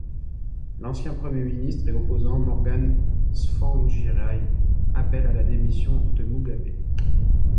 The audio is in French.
L'ancien Premier ministre et opposant Morgan Tsvangirai, appelle à la démission de Mugabe.